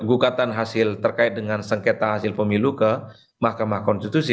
gugatan hasil terkait dengan sengketa hasil pemilu ke mahkamah konstitusi